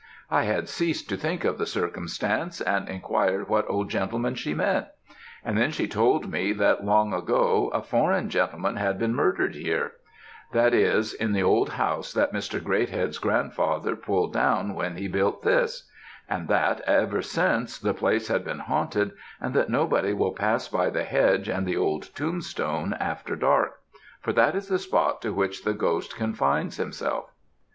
I had ceased to think of the circumstance, and inquired what old gentleman she meant? and then she told me that, long ago, a foreign gentleman had been murdered here; that is, in the old house that Mr. Greathead's grandfather pulled down when he built this; and that, ever since, the place has been haunted, and that nobody will pass by the hedge, and the old tombstone after dark; for that is the spot to which the ghost confines himself.'